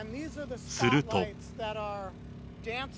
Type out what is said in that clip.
すると。